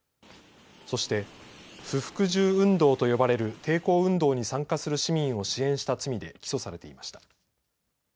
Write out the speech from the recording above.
そして、不服従運動と呼ばれる抵抗運動に参加する市民を支援した罪で起訴されていました。